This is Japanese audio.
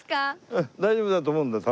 大丈夫だと思うんだよ